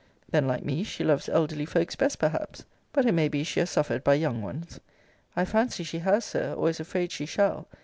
Then, like me, she loves elderly folks best perhaps. But it may be she has suffered by young ones. I fancy she has, Sir, or is afraid she shall.